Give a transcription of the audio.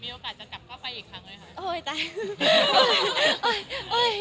โอกาสจะกลับเข้าไปอีกครั้งเลยค่ะ